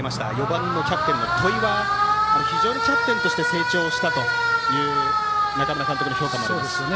４番のキャプテンの戸井は非常にキャプテンとして成長したという中村監督の評価もあります。